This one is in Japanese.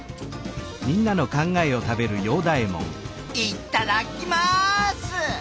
いっただっきます！